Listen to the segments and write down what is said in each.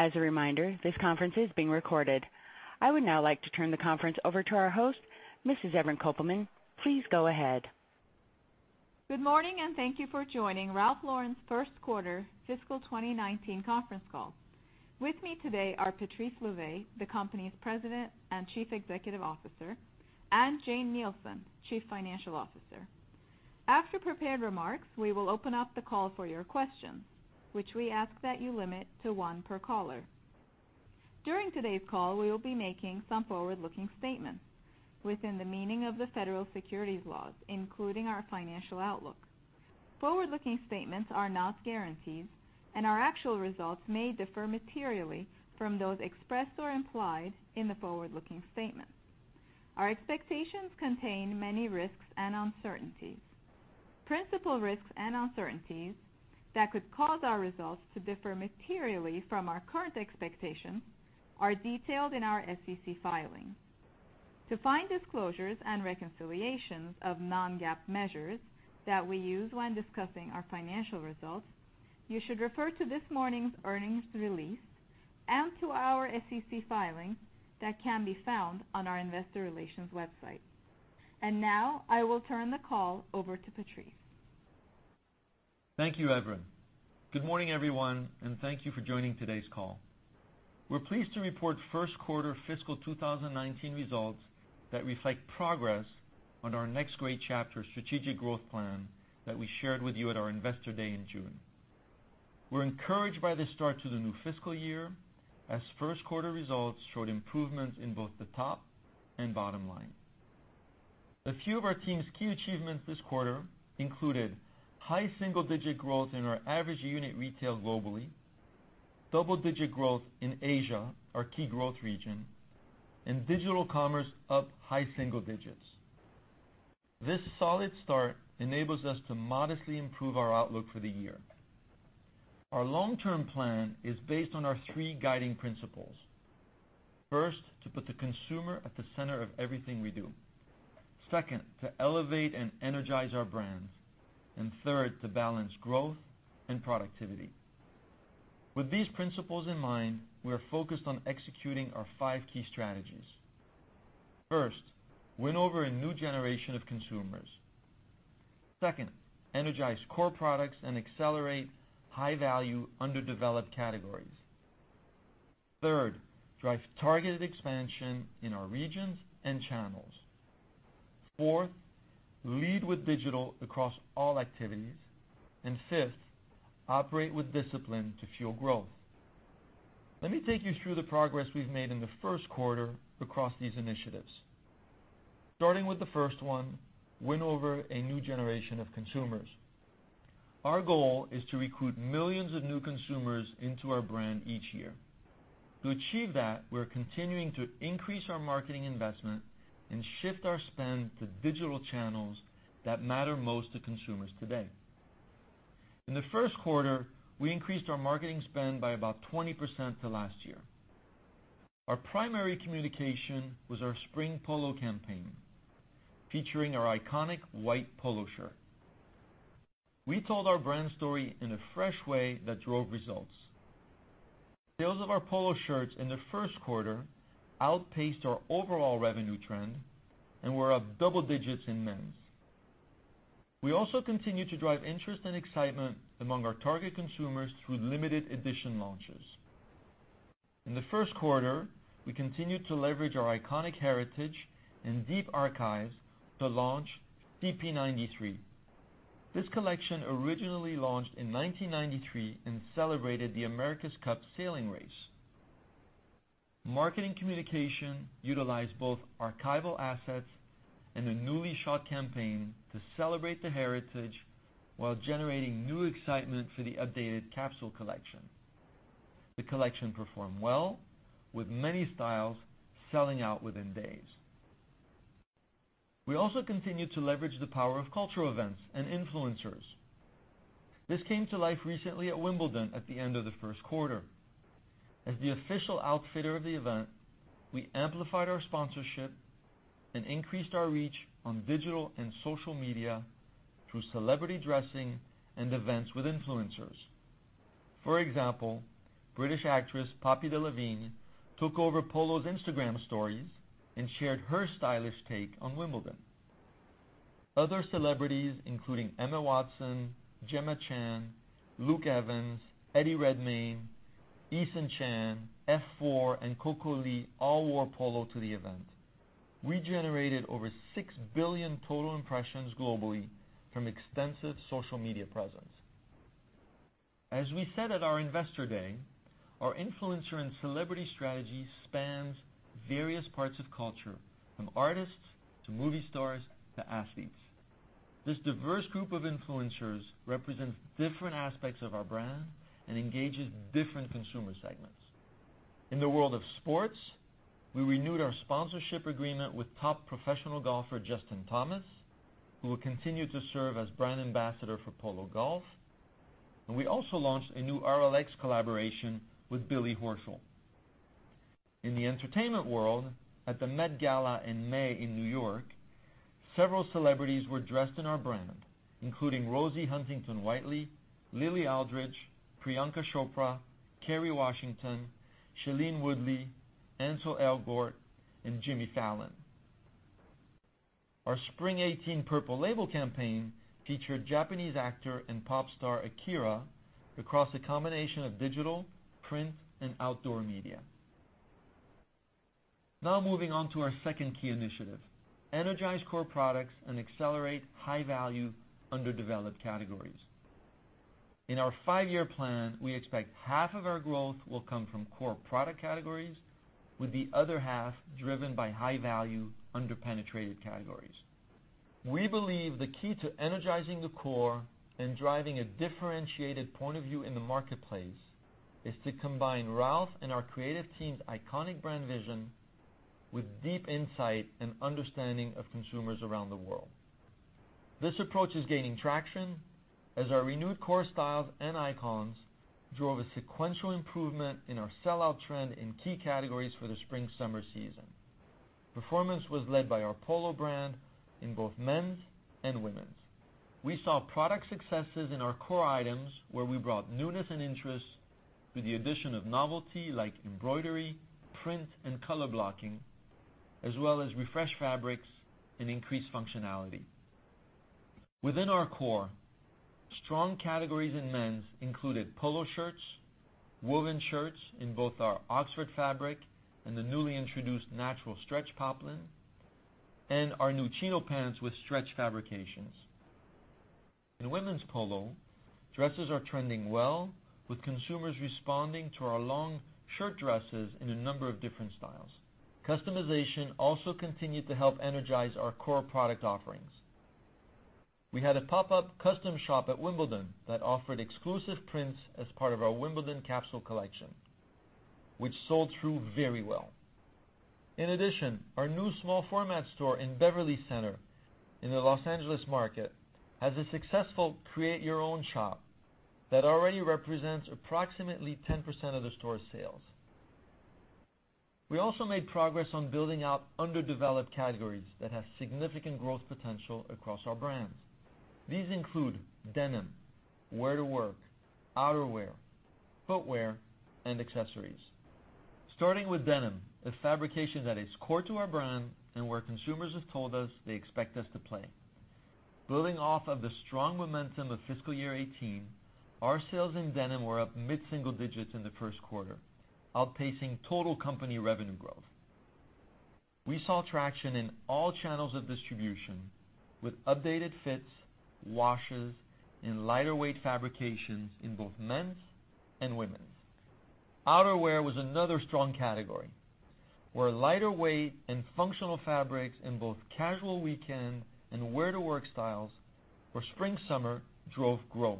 As a reminder, this conference is being recorded. I would now like to turn the conference over to our host, Mrs. Evren Kopelman. Please go ahead. Good morning, and thank you for joining Ralph Lauren's first quarter fiscal 2019 conference call. With me today are Patrice Louvet, the company's President and Chief Executive Officer, and Jane Nielsen, Chief Financial Officer. After prepared remarks, we will open up the call for your questions, which we ask that you limit to one per caller. During today's call, we will be making some forward-looking statements within the meaning of the Federal securities laws, including our financial outlook. Forward-looking statements are not guarantees, and our actual results may differ materially from those expressed or implied in the forward-looking statement. Our expectations contain many risks and uncertainties. Principal risks and uncertainties that could cause our results to differ materially from our current expectations are detailed in our SEC filings. To find disclosures and reconciliations of non-GAAP measures that we use when discussing our financial results, you should refer to this morning's earnings release and to our SEC filings that can be found on our investor relations website. Now I will turn the call over to Patrice. Thank you, Evren. Good morning, everyone, and thank you for joining today's call. We're pleased to report first quarter fiscal 2019 results that reflect progress on our Next Great Chapter strategic growth plan that we shared with you at our Investor Day in June. We're encouraged by the start to the new fiscal year, as first quarter results showed improvements in both the top and bottom line. A few of our team's key achievements this quarter included high single-digit growth in our average unit retail globally, double-digit growth in Asia, our key growth region, and digital commerce up high single digits. This solid start enables us to modestly improve our outlook for the year. Our long-term plan is based on our three guiding principles. First, to put the consumer at the center of everything we do. Second, to elevate and energize our brands. Third, to balance growth and productivity. With these principles in mind, we are focused on executing our 5 key strategies. First, win over a new generation of consumers. Second, energize core products and accelerate high-value, underdeveloped categories. Third, drive targeted expansion in our regions and channels. Fourth, lead with digital across all activities. Fifth, operate with discipline to fuel growth. Let me take you through the progress we've made in the first quarter across these initiatives. Starting with the first one, win over a new generation of consumers. Our goal is to recruit millions of new consumers into our brand each year. To achieve that, we're continuing to increase our marketing investment and shift our spend to digital channels that matter most to consumers today. In the first quarter, we increased our marketing spend by about 20% to last year. Our primary communication was our spring Polo campaign, featuring our iconic white Polo shirt. We told our brand story in a fresh way that drove results. Sales of our Polo shirts in the first quarter outpaced our overall revenue trend and were up double digits in men's. We also continue to drive interest and excitement among our target consumers through limited edition launches. In the first quarter, we continued to leverage our iconic heritage and deep archives to launch CP-93. This collection originally launched in 1993 and celebrated the America's Cup sailing race. Marketing communication utilized both archival assets and a newly shot campaign to celebrate the heritage while generating new excitement for the updated capsule collection. The collection performed well, with many styles selling out within days. We also continued to leverage the power of cultural events and influencers. This came to life recently at Wimbledon at the end of the first quarter. As the official outfitter of the event, we amplified our sponsorship and increased our reach on digital and social media through celebrity dressing and events with influencers. For example, British actress Poppy Delevingne took over Polo's Instagram stories and shared her stylish take on Wimbledon. Other celebrities, including Emma Watson, Gemma Chan, Luke Evans, Eddie Redmayne, Eason Chan, F4, and Coco Lee all wore Polo to the event. We generated over 6 billion total impressions globally from extensive social media presence. As we said at our Investor Day, our influencer and celebrity strategy spans various parts of culture, from artists to movie stars to athletes. This diverse group of influencers represents different aspects of our brand and engages different consumer segments. In the world of sports, we renewed our sponsorship agreement with top professional golfer Justin Thomas, who will continue to serve as brand ambassador for Polo Golf, and we also launched a new RLX collaboration with Billy Horschel. In the entertainment world, at the Met Gala in May in New York, several celebrities were dressed in our brand, including Rosie Huntington-Whiteley, Lily Aldridge, Priyanka Chopra, Kerry Washington, Shailene Woodley, Ansel Elgort, and Jimmy Fallon. Our Spring '18 Purple Label campaign featured Japanese actor and pop star Akira across a combination of digital, print, and outdoor media. Moving on to our second key initiative, energize core products and accelerate high-value underdeveloped categories. In our 5-year plan, we expect half of our growth will come from core product categories, with the other half driven by high-value, under-penetrated categories. We believe the key to energizing the core and driving a differentiated point of view in the marketplace is to combine Ralph and our creative team's iconic brand vision with deep insight and understanding of consumers around the world. This approach is gaining traction as our renewed core styles and icons drove a sequential improvement in our sell-out trend in key categories for the spring-summer season. Performance was led by our Polo brand in both men's and women's. We saw product successes in our core items where we brought newness and interest through the addition of novelty like embroidery, print, and color blocking, as well as refreshed fabrics and increased functionality. Within our core, strong categories in men's included Polo shirts, woven shirts in both our Oxford fabric and the newly introduced natural stretch poplin, and our new chino pants with stretch fabrications. In women's Polo, dresses are trending well, with consumers responding to our long shirt dresses in a number of different styles. Customization also continued to help energize our core product offerings. We had a pop-up custom shop at Wimbledon that offered exclusive prints as part of our Wimbledon capsule collection, which sold through very well. In addition, our new small format store in Beverly Center in the L.A. market has a successful create your own shop that already represents approximately 10% of the store's sales. We also made progress on building out underdeveloped categories that have significant growth potential across our brands. These include denim, wear-to-work, outerwear, footwear, and accessories. Starting with denim, a fabrication that is core to our brand and where consumers have told us they expect us to play. Building off of the strong momentum of fiscal year 2018, our sales in denim were up mid-single digits in the first quarter, outpacing total company revenue growth. We saw traction in all channels of distribution with updated fits, washes, and lighter weight fabrications in both men's and women's. Outerwear was another strong category where lighter weight and functional fabrics in both casual weekend and wear-to-work styles for spring/summer drove growth.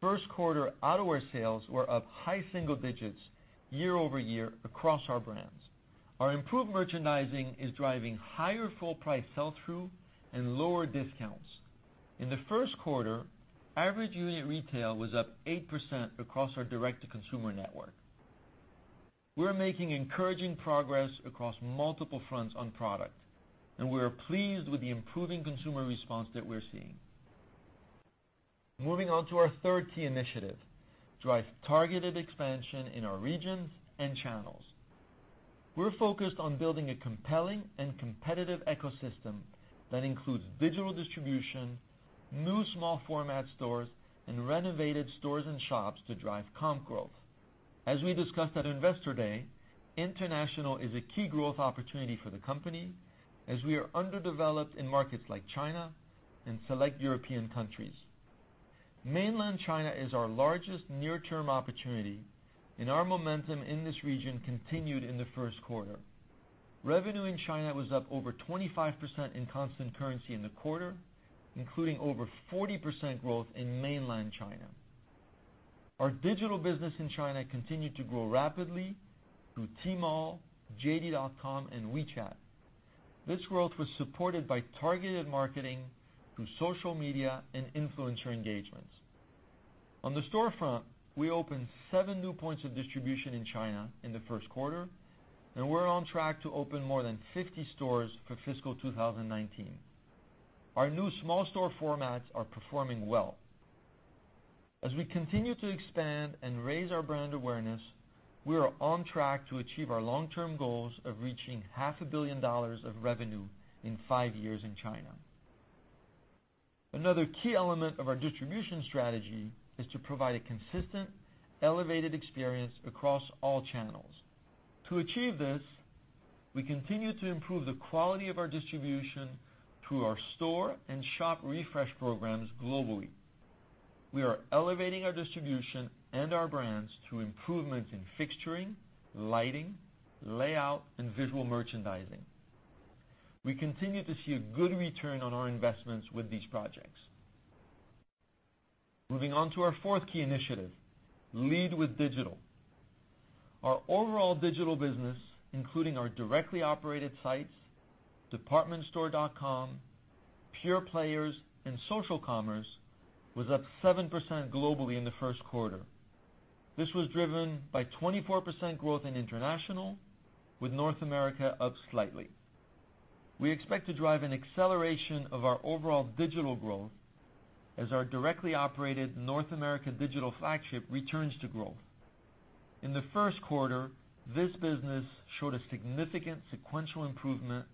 First quarter outerwear sales were up high single digits year-over-year across our brands. Our improved merchandising is driving higher full price sell-through and lower discounts. In the first quarter, average unit retail was up 8% across our direct-to-consumer network. We're making encouraging progress across multiple fronts on product, and we are pleased with the improving consumer response that we're seeing. Moving on to our third key initiative, drive targeted expansion in our regions and channels. We're focused on building a compelling and competitive ecosystem that includes digital distribution, new small format stores, and renovated stores and shops to drive comp growth. As we discussed at Investor Day, international is a key growth opportunity for the company as we are underdeveloped in markets like China and select European countries. Mainland China is our largest near-term opportunity, and our momentum in this region continued in the first quarter. Revenue in China was up over 25% in constant currency in the quarter, including over 40% growth in Mainland China. Our digital business in China continued to grow rapidly through Tmall, JD.com, and WeChat. This growth was supported by targeted marketing through social media and influencer engagements. On the store front, we opened seven new points of distribution in China in the first quarter, and we're on track to open more than 50 stores for fiscal 2019. Our new small store formats are performing well. As we continue to expand and raise our brand awareness, we are on track to achieve our long-term goals of reaching half a billion dollars of revenue in five years in China. Another key element of our distribution strategy is to provide a consistent, elevated experience across all channels. To achieve this, we continue to improve the quality of our distribution through our store and shop refresh programs globally. We are elevating our distribution and our brands through improvements in fixturing, lighting, layout, and visual merchandising. We continue to see a good return on our investments with these projects. Moving on to our fourth key initiative, Lead with Digital. Our overall digital business, including our directly operated sites, departmentstore.com Pure Players in social commerce was up 7% globally in the first quarter. This was driven by 24% growth in international, with North America up slightly. We expect to drive an acceleration of our overall digital growth as our directly operated North America digital flagship returns to growth. In the first quarter, this business showed a significant sequential improvement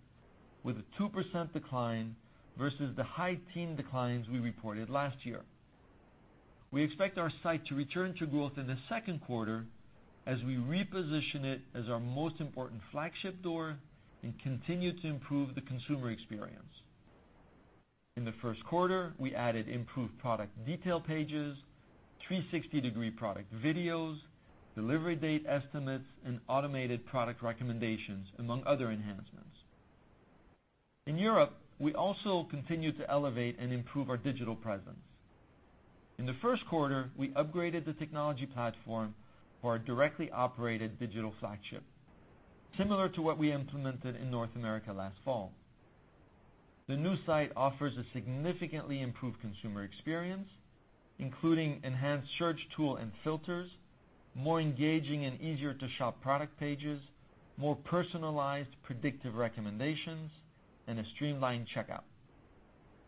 with a 2% decline versus the high teen declines we reported last year. We expect our site to return to growth in the second quarter as we reposition it as our most important flagship store and continue to improve the consumer experience. In the first quarter, we added improved product detail pages, 360-degree product videos, delivery date estimates, and automated product recommendations, among other enhancements. In Europe, we also continued to elevate and improve our digital presence. In the first quarter, we upgraded the technology platform for our directly operated digital flagship, similar to what we implemented in North America last fall. The new site offers a significantly improved consumer experience, including enhanced search tool and filters, more engaging and easier-to-shop product pages, more personalized predictive recommendations, and a streamlined checkout.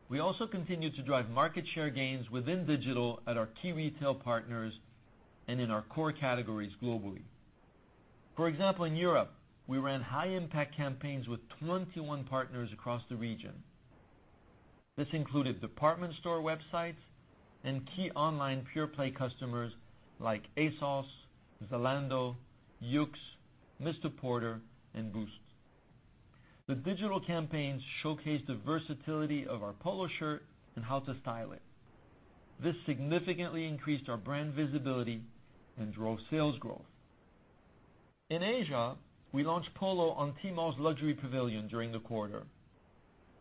We also continued to drive market share gains within digital at our key retail partners and in our core categories globally. For example, in Europe, we ran high impact campaigns with 21 partners across the region. This included department store websites and key online Pure Play customers like ASOS, Zalando, YOOX, MR PORTER, and Boozt. The digital campaigns showcased the versatility of our Polo shirt and how to style it. This significantly increased our brand visibility and drove sales growth. In Asia, we launched Polo on Tmall Luxury Pavilion during the quarter.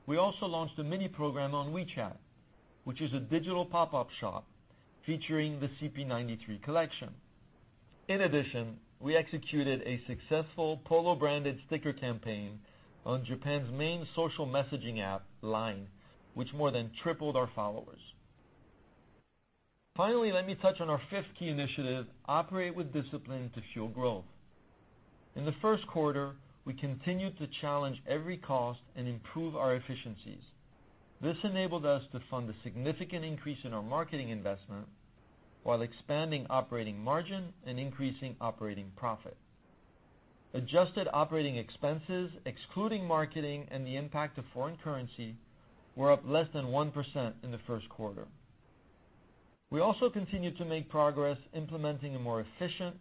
We also launched a mini program on WeChat, which is a digital pop-up shop featuring the CP-93 collection. In addition, we executed a successful Polo-branded sticker campaign on Japan's main social messaging app, Line, which more than tripled our followers. Finally, let me touch on our fifth key initiative, Operate with Discipline to Fuel Growth. In the first quarter, we continued to challenge every cost and improve our efficiencies. This enabled us to fund a significant increase in our marketing investment while expanding operating margin and increasing operating profit. Adjusted operating expenses, excluding marketing and the impact of foreign currency, were up less than 1% in the first quarter. We also continued to make progress implementing a more efficient,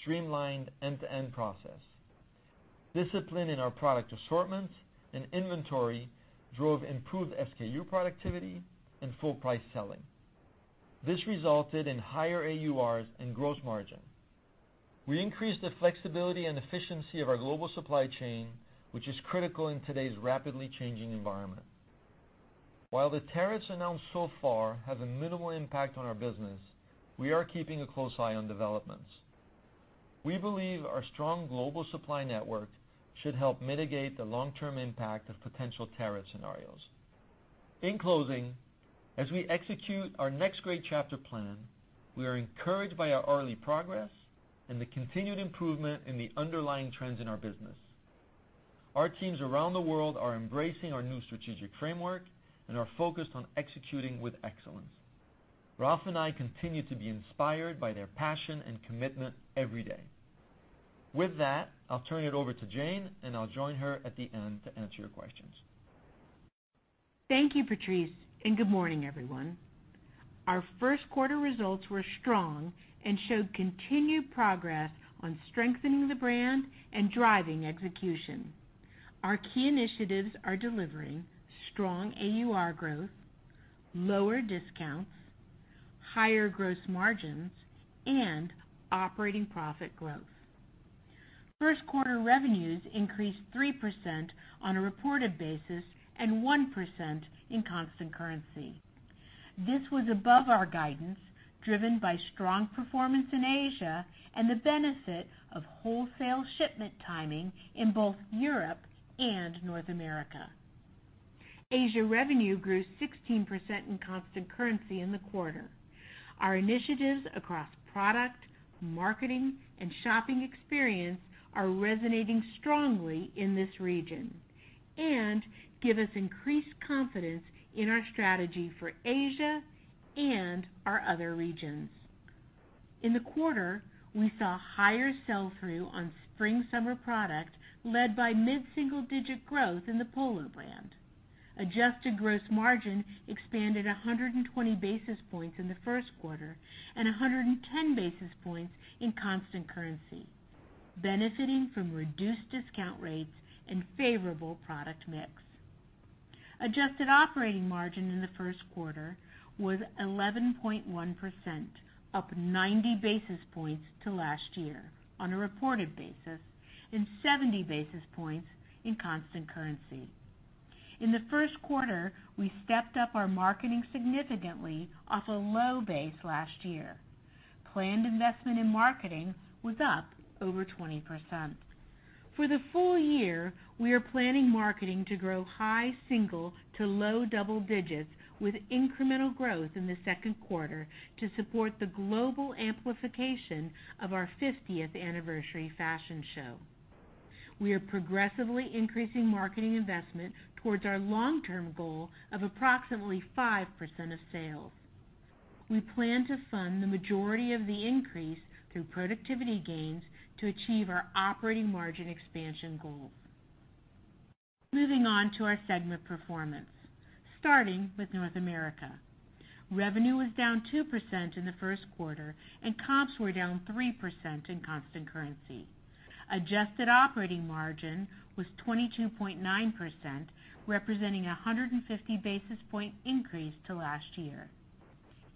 streamlined end-to-end process. Discipline in our product assortment and inventory drove improved SKU productivity and full price selling. This resulted in higher AURs and gross margin. We increased the flexibility and efficiency of our global supply chain, which is critical in today's rapidly changing environment. While the tariffs announced so far have a minimal impact on our business, we are keeping a close eye on developments. We believe our strong global supply network should help mitigate the long-term impact of potential tariff scenarios. In closing, as we execute our Next Great Chapter plan, we are encouraged by our early progress and the continued improvement in the underlying trends in our business. Our teams around the world are embracing our new strategic framework and are focused on executing with excellence. Ralph and I continue to be inspired by their passion and commitment every day. With that, I'll turn it over to Jane, and I'll join her at the end to answer your questions. Thank you, Patrice, and good morning, everyone. Our first quarter results were strong and showed continued progress on strengthening the brand and driving execution. Our key initiatives are delivering strong AUR growth, lower discounts, higher gross margins, and operating profit growth. First quarter revenues increased 3% on a reported basis and 1% in constant currency. This was above our guidance, driven by strong performance in Asia and the benefit of wholesale shipment timing in both Europe and North America. Asia revenue grew 16% in constant currency in the quarter. Our initiatives across product, marketing, and shopping experience are resonating strongly in this region and give us increased confidence in our strategy for Asia and our other regions. In the quarter, we saw higher sell-through on spring/summer product, led by mid-single-digit growth in the Polo brand. Adjusted gross margin expanded 120 basis points in the first quarter and 110 basis points in constant currency, benefiting from reduced discount rates and favorable product mix. Adjusted operating margin in the first quarter was 11.1%, up 90 basis points to last year on a reported basis and 70 basis points in constant currency. In the first quarter, we stepped up our marketing significantly off a low base last year. Planned investment in marketing was up over 20%. For the full year, we are planning marketing to grow high single to low double digits with incremental growth in the second quarter to support the global amplification of our 50th anniversary fashion show. We are progressively increasing marketing investment towards our long-term goal of approximately 5% of sales. We plan to fund the majority of the increase through productivity gains to achieve our operating margin expansion goals. Moving on to our segment performance, starting with North America. Revenue was down 2% in the first quarter, and comps were down 3% in constant currency. Adjusted operating margin was 22.9%, representing a 150-basis point increase to last year.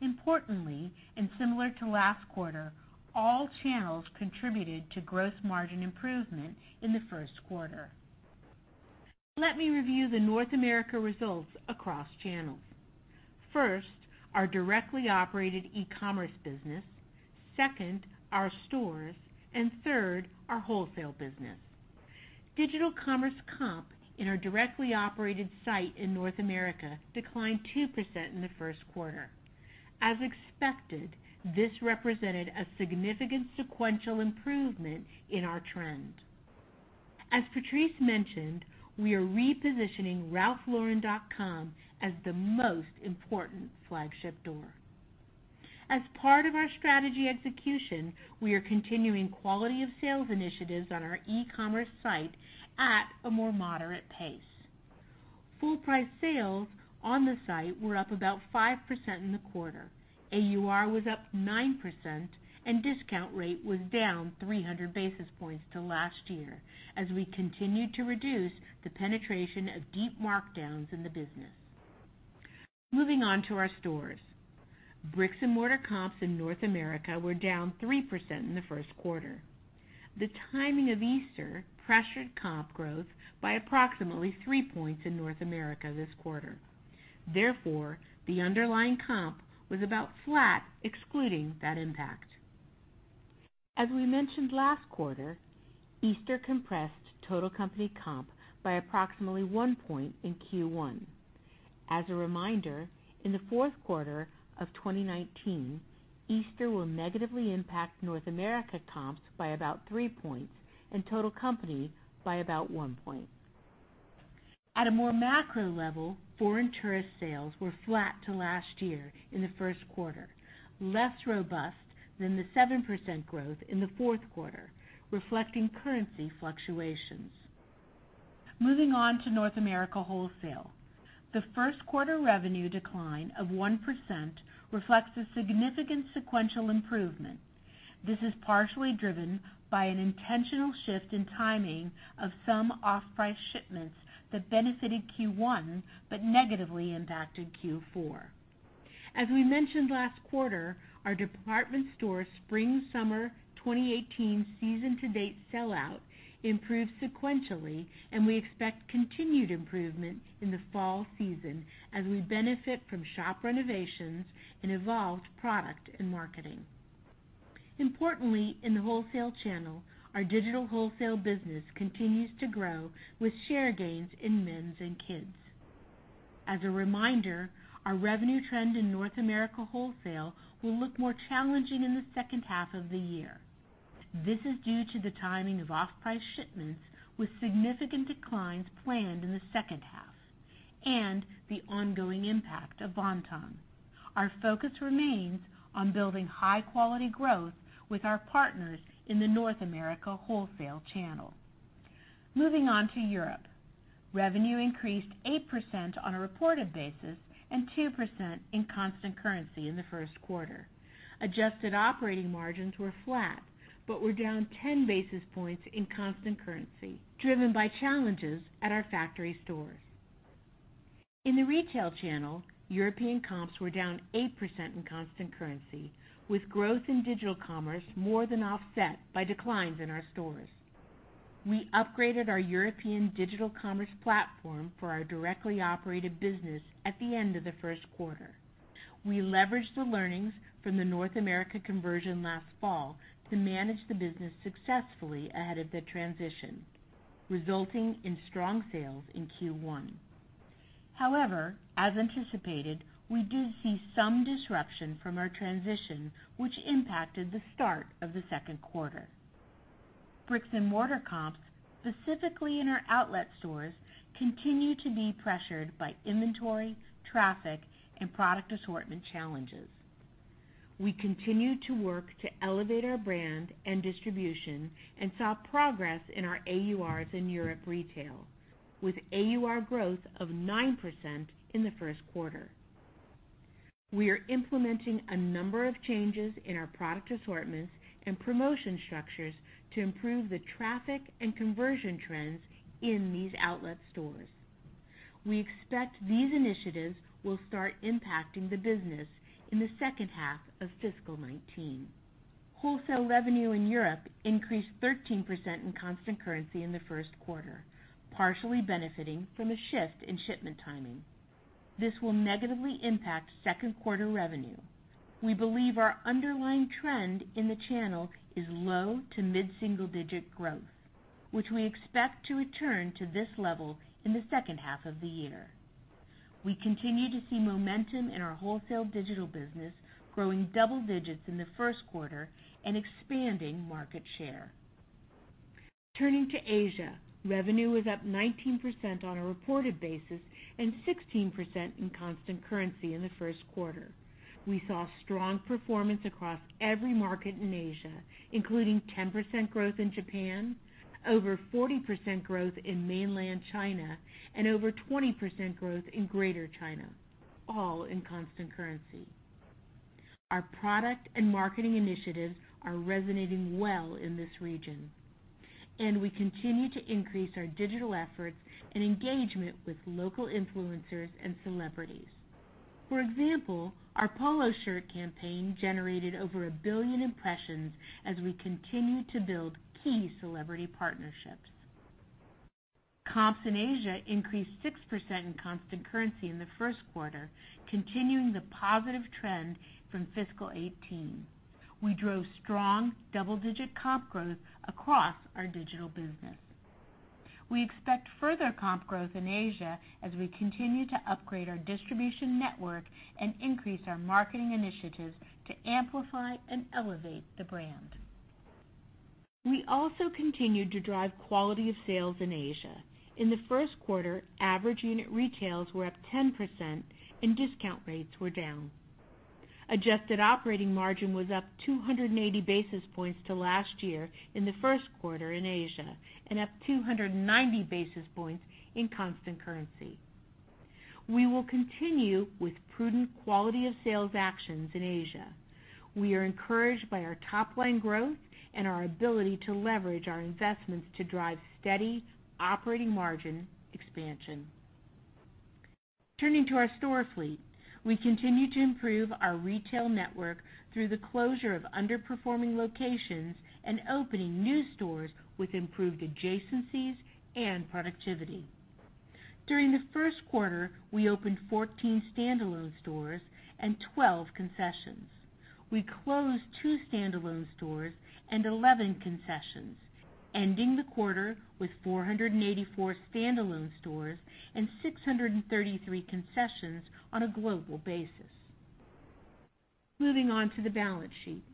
Importantly, and similar to last quarter, all channels contributed to gross margin improvement in the first quarter. Let me review the North America results across channels. First, our directly operated e-commerce business, second, our stores, and third, our wholesale business. Digital commerce comp in our directly operated site in North America declined 2% in the first quarter. As expected, this represented a significant sequential improvement in our trend. As Patrice mentioned, we are repositioning ralphlauren.com as the most important flagship door. As part of our strategy execution, we are continuing quality of sales initiatives on our e-commerce site at a more moderate pace. Full-price sales on the site were up about 5% in the quarter. AUR was up 9%. Discount rate was down 300 basis points to last year as we continued to reduce the penetration of deep markdowns in the business. Moving on to our stores. Bricks-and-mortar comps in North America were down 3% in the first quarter. The timing of Easter pressured comp growth by approximately 3 points in North America this quarter. The underlying comp was about flat, excluding that impact. As we mentioned last quarter, Easter compressed total company comp by approximately 1 point in Q1. As a reminder, in the fourth quarter of 2019, Easter will negatively impact North America comps by about 3 points and total company by about 1 point. At a more macro level, foreign tourist sales were flat to last year in the first quarter, less robust than the 7% growth in the fourth quarter, reflecting currency fluctuations. Moving on to North America wholesale. The first quarter revenue decline of 1% reflects a significant sequential improvement. This is partially driven by an intentional shift in timing of some off-price shipments that benefited Q1 but negatively impacted Q4. As we mentioned last quarter, our department store spring-summer 2018 season-to-date sell-out improved sequentially, and we expect continued improvement in the fall season as we benefit from shop renovations and evolved product and marketing. Importantly, in the wholesale channel, our digital wholesale business continues to grow with share gains in men's and kids. As a reminder, our revenue trend in North America wholesale will look more challenging in the second half of the year. This is due to the timing of off-price shipments with significant declines planned in the second half and the ongoing impact of Bon-Ton. Our focus remains on building high-quality growth with our partners in the North America wholesale channel. Moving on to Europe. Revenue increased 8% on a reported basis and 2% in constant currency in the first quarter. Adjusted operating margins were flat but were down 10 basis points in constant currency, driven by challenges at our factory stores. In the retail channel, European comps were down 8% in constant currency, with growth in digital commerce more than offset by declines in our stores. We upgraded our European digital commerce platform for our directly operated business at the end of the first quarter. We leveraged the learnings from the North America conversion last fall to manage the business successfully ahead of the transition, resulting in strong sales in Q1. As anticipated, we did see some disruption from our transition, which impacted the start of the second quarter. Bricks-and-mortar comps, specifically in our outlet stores, continue to be pressured by inventory, traffic, and product assortment challenges. We continue to work to elevate our brand and distribution and saw progress in our AURs in Europe retail, with AUR growth of 9% in the first quarter. We are implementing a number of changes in our product assortments and promotion structures to improve the traffic and conversion trends in these outlet stores. We expect these initiatives will start impacting the business in the second half of FY 2019. Wholesale revenue in Europe increased 13% in constant currency in the first quarter, partially benefiting from a shift in shipment timing. This will negatively impact second quarter revenue. We believe our underlying trend in the channel is low to mid-single-digit growth, which we expect to return to this level in the second half of the year. We continue to see momentum in our wholesale digital business growing double digits in the first quarter and expanding market share. Turning to Asia, revenue was up 19% on a reported basis and 16% in constant currency in the first quarter. We saw strong performance across every market in Asia, including 10% growth in Japan, over 40% growth in mainland China, and over 20% growth in greater China, all in constant currency. Our product and marketing initiatives are resonating well in this region, and we continue to increase our digital efforts and engagement with local influencers and celebrities. For example, our Polo shirt campaign generated over 1 billion impressions as we continue to build key celebrity partnerships. Comps in Asia increased 6% in constant currency in the first quarter, continuing the positive trend from fiscal 2018. We drove strong double-digit comp growth across our digital business. We expect further comp growth in Asia as we continue to upgrade our distribution network and increase our marketing initiatives to amplify and elevate the brand. We also continued to drive quality of sales in Asia. In the first quarter, average unit retails were up 10% and discount rates were down. Adjusted operating margin was up 280 basis points to last year in the first quarter in Asia, and up 290 basis points in constant currency. We will continue with prudent quality of sales actions in Asia. We are encouraged by our top-line growth and our ability to leverage our investments to drive steady operating margin expansion. Turning to our store fleet, we continue to improve our retail network through the closure of underperforming locations and opening new stores with improved adjacencies and productivity. During the first quarter, we opened 14 standalone stores and 12 concessions. We closed two standalone stores and 11 concessions, ending the quarter with 484 standalone stores and 633 concessions on a global basis. Moving on to the balance sheet.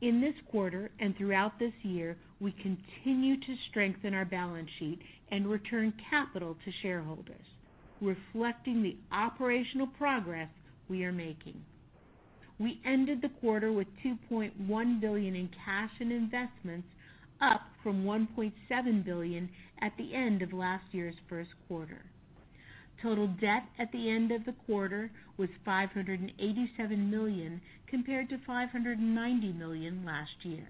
In this quarter and throughout this year, we continue to strengthen our balance sheet and return capital to shareholders, reflecting the operational progress we are making. We ended the quarter with $2.1 billion in cash and investments, up from $1.7 billion at the end of last year's first quarter. Total debt at the end of the quarter was $587 million, compared to $590 million last year.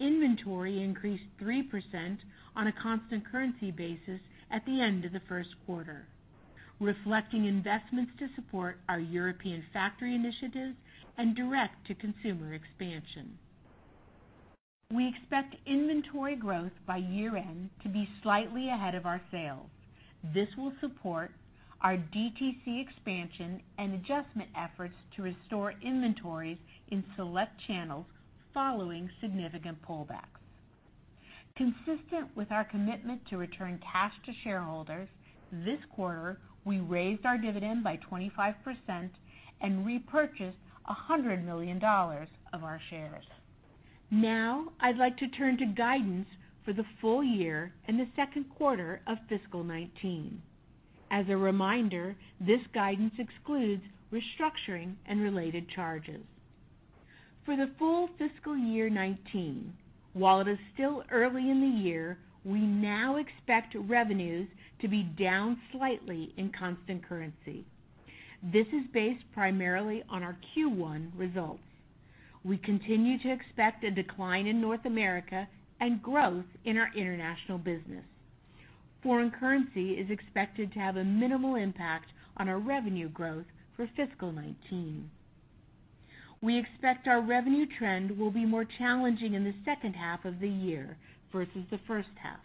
Inventory increased 3% on a constant currency basis at the end of the first quarter, reflecting investments to support our European factory initiatives and direct-to-consumer expansion. We expect inventory growth by year-end to be slightly ahead of our sales. This will support our DTC expansion and adjustment efforts to restore inventories in select channels following significant pullbacks. Consistent with our commitment to return cash to shareholders, this quarter, we raised our dividend by 25% and repurchased $100 million of our shares. Now, I'd like to turn to guidance for the full year and the second quarter of fiscal 2019. As a reminder, this guidance excludes restructuring and related charges. For the full fiscal year 2019, while it is still early in the year, we now expect revenues to be down slightly in constant currency. This is based primarily on our Q1 results. We continue to expect a decline in North America and growth in our international business. Foreign currency is expected to have a minimal impact on our revenue growth for fiscal 2019. We expect our revenue trend will be more challenging in the second half of the year versus the first half.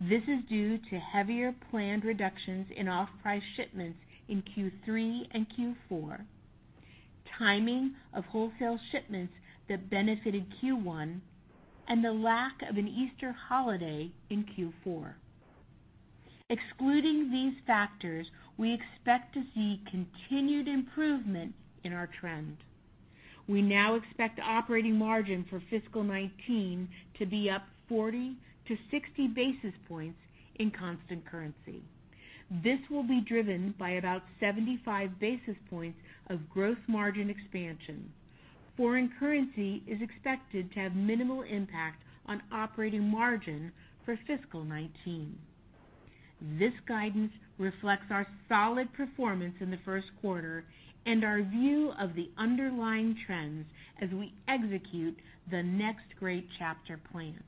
This is due to heavier planned reductions in off-price shipments in Q3 and Q4, timing of wholesale shipments that benefited Q1, and the lack of an Easter holiday in Q4. Excluding these factors, we expect to see continued improvement in our trend. We now expect operating margin for fiscal 2019 to be up 40-60 basis points in constant currency. This will be driven by about 75 basis points of growth margin expansion. Foreign currency is expected to have minimal impact on operating margin for fiscal 2019. This guidance reflects our solid performance in the first quarter and our view of the underlying trends as we execute the Next Great Chapter plan.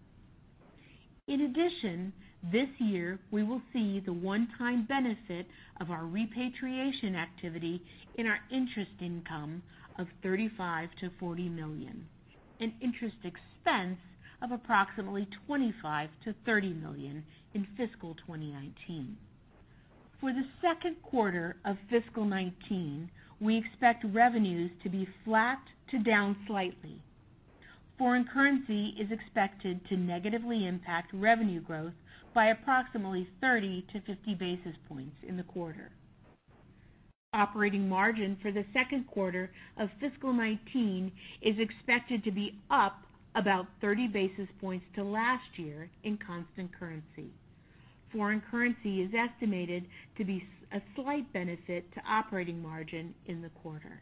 In addition, this year, we will see the one-time benefit of our repatriation activity in our interest income of $35 million-$40 million. Interest expense of approximately $25 million-$30 million in fiscal 2019. For the second quarter of fiscal 2019, we expect revenues to be flat to down slightly. Foreign currency is expected to negatively impact revenue growth by approximately 30-50 basis points in the quarter. Operating margin for the second quarter of fiscal 2019 is expected to be up about 30 basis points to last year in constant currency. Foreign currency is estimated to be a slight benefit to operating margin in the quarter.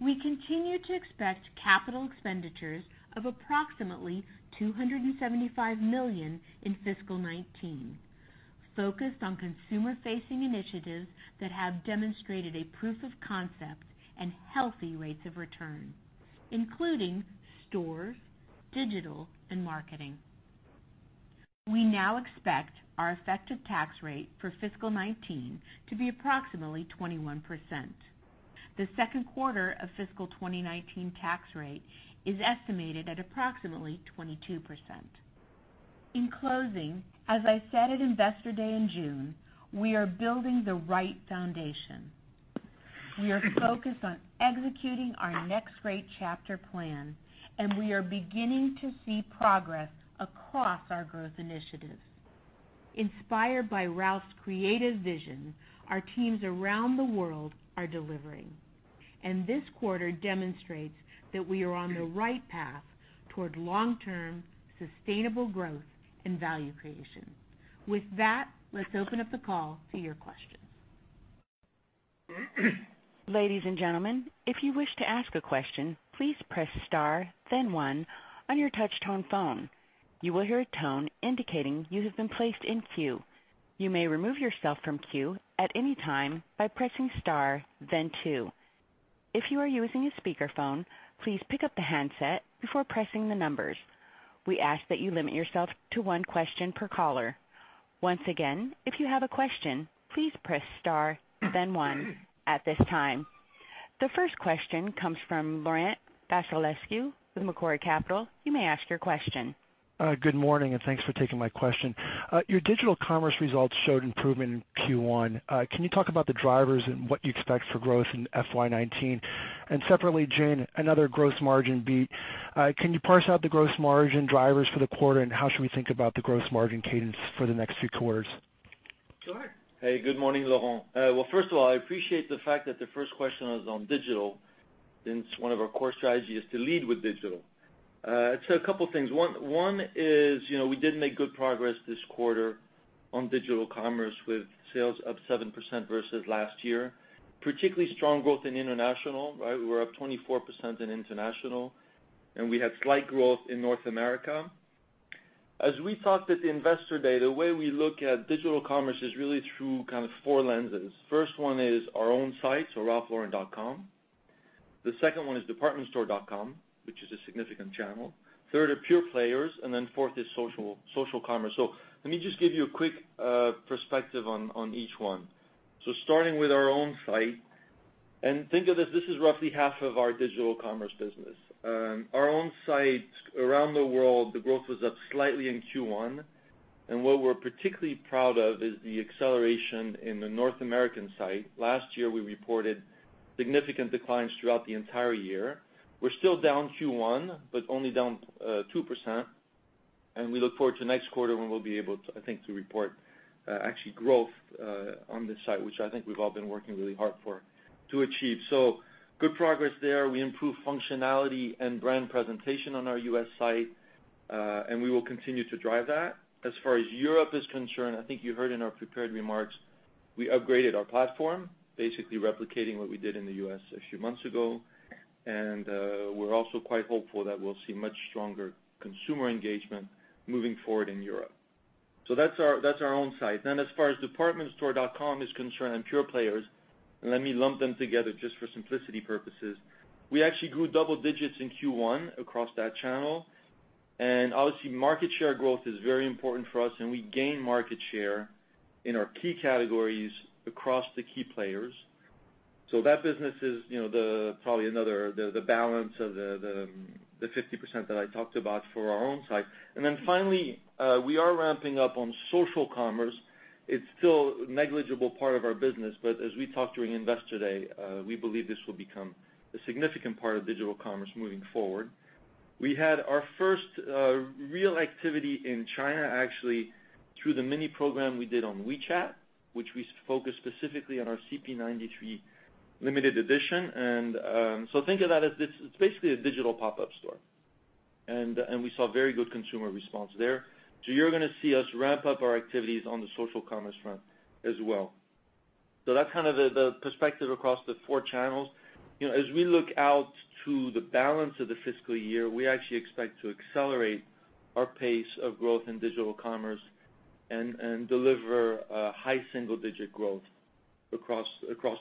We continue to expect capital expenditures of approximately $275 million in fiscal 2019, focused on consumer-facing initiatives that have demonstrated a proof of concept and healthy rates of return, including stores, digital, and marketing. We now expect our effective tax rate for fiscal 2019 to be approximately 21%. The second quarter of fiscal 2019 tax rate is estimated at approximately 22%. In closing, as I said at Investor Day in June, we are building the right foundation. We are focused on executing our Next Great Chapter plan, and we are beginning to see progress across our growth initiatives. Inspired by Ralph's creative vision, our teams around the world are delivering, and this quarter demonstrates that we are on the right path toward long-term, sustainable growth and value creation. With that, let's open up the call to your questions. Ladies and gentlemen, if you wish to ask a question, please press star then one on your touch tone phone. You will hear a tone indicating you have been placed in queue. You may remove yourself from queue at any time by pressing star then two. If you are using a speakerphone, please pick up the handset before pressing the numbers. We ask that you limit yourself to one question per caller. Once again, if you have a question, please press star then one at this time. The first question comes from Laurent Vasilescu with Macquarie Capital. You may ask your question. Good morning, and thanks for taking my question. Your digital commerce results showed improvement in Q1. Can you talk about the drivers and what you expect for growth in FY 2019? Separately, Jane, another gross margin beat. Can you parse out the gross margin drivers for the quarter, and how should we think about the gross margin cadence for the next few quarters? Sure. Hey, good morning, Laurent. First of all, I appreciate the fact that the first question was on digital, since one of our core strategies is to lead with digital. A couple of things. One is we did make good progress this quarter on digital commerce, with sales up 7% versus last year. Particularly strong growth in international. We were up 24% in international, and we had slight growth in North America. As we talked at the Investor Day, the way we look at digital commerce is really through 4 lenses. First one is our own site, ralphlauren.com. The second one is departmentstore.com, which is a significant channel. Third are pure players, fourth is social commerce. Let me just give you a quick perspective on each one. Starting with our own site, think of this is roughly half of our digital commerce business. Our own site around the world, the growth was up slightly in Q1, and what we're particularly proud of is the acceleration in the North American site. Last year, we reported significant declines throughout the entire year. We're still down Q1, but only down 2%, and we look forward to next quarter when we'll be able to report actual growth on this site, which I think we've all been working really hard for to achieve. Good progress there. We improved functionality and brand presentation on our U.S. site, and we will continue to drive that. As far as Europe is concerned, you heard in our prepared remarks, we upgraded our platform, basically replicating what we did in the U.S. a few months ago. We're also quite hopeful that we'll see much stronger consumer engagement moving forward in Europe. That's our own site. As far as departmentstore.com is concerned and pure players, let me lump them together just for simplicity purposes. We actually grew double digits in Q1 across that channel. Obviously, market share growth is very important for us, and we gained market share in our key categories across the key players. That business is probably another, the balance of the 50% that I talked about for our own site. Finally, we are ramping up on social commerce. It's still a negligible part of our business, but as we talked during Investor Day, we believe this will become a significant part of digital commerce moving forward. We had our first real activity in China, actually, through the mini program we did on WeChat, which we focused specifically on our CP-93 limited edition. Think of that as it's basically a digital pop-up store. We saw very good consumer response there. You're going to see us ramp up our activities on the social commerce front as well. That's the perspective across the four channels. As we look out to the balance of the fiscal year, we actually expect to accelerate our pace of growth in digital commerce and deliver a high single-digit growth across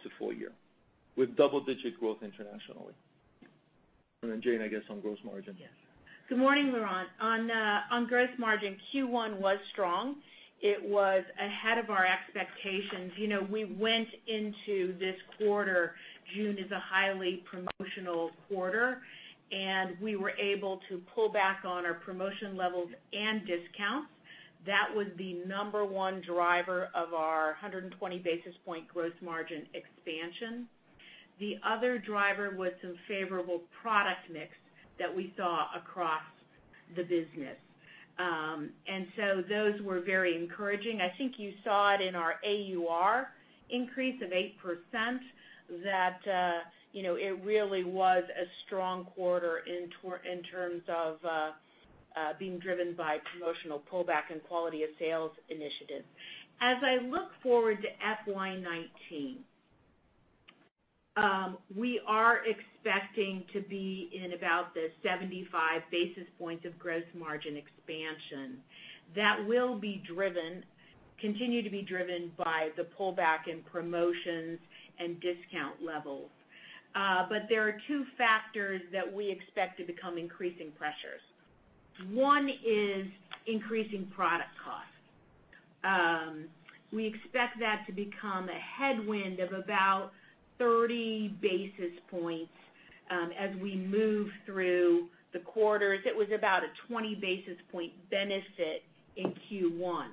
the full year, with double-digit growth internationally. Then Jane, I guess, on gross margin. Yes. Good morning, Laurent. On gross margin, Q1 was strong. It was ahead of our expectations. We went into this quarter, June is a highly promotional quarter, and we were able to pull back on our promotion levels and discounts. That was the number one driver of our 120 basis point gross margin expansion. The other driver was some favorable product mix that we saw across the business. Those were very encouraging. I think you saw it in our AUR increase of 8%, that it really was a strong quarter in terms of being driven by promotional pullback and quality of sales initiatives. As I look forward to FY 2019, we are expecting to be in about the 75 basis points of gross margin expansion. That will continue to be driven by the pullback in promotions and discount levels. There are two factors that we expect to become increasing pressures. One is increasing product costs. We expect that to become a headwind of about 30 basis points as we move through the quarters. It was about a 20 basis point benefit in Q1.